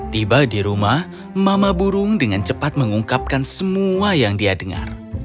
tiba di rumah mama burung dengan cepat mengungkapkan semua yang dia dengar